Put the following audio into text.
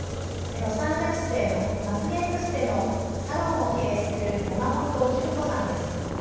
ロサンゼルスでまつげエクステのサロンを経営する山本純子さんです。